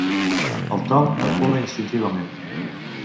El Tom recula instintivament.